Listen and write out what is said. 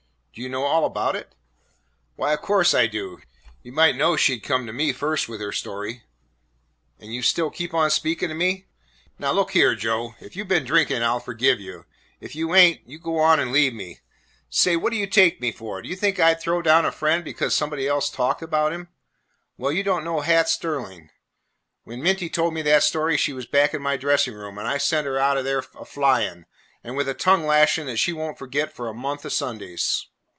"Do you know all about it?" "Why, of course I do. You might know she 'd come to me first with her story." "And you still keep on speaking to me?" "Now look here, Joe, if you 've been drinking, I 'll forgive you; if you ain't, you go on and leave me. Say, what do you take me for? Do you think I 'd throw down a friend because somebody else talked about him? Well, you don't know Hat Sterling. When Minty told me that story, she was back in my dressing room, and I sent her out o' there a flying, and with a tongue lashing that she won't forget for a month o' Sundays."